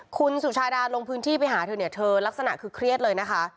คุณสุชาดาลงพื้นที่ไปหาเธอเนี่ยเธอลักษณะคือเครียดเลยนะคะ